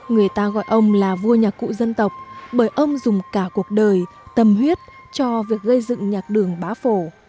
người ta gọi ông là vua nhạc cụ dân tộc bởi ông dùng cả cuộc đời tâm huyết cho việc gây dựng nhạc đường bá phổ